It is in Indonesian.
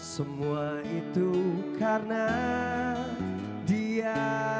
semua itu karena dia